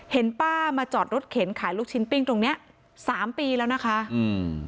เห็นป้ามาจอดรถเข็นขายลูกชิ้นปิ้งตรงเนี้ยสามปีแล้วนะคะอืม